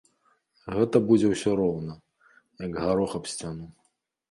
Гэта будзе ўсё роўна, як гарох аб сцяну.